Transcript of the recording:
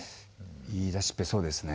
言いだしっぺそうですね。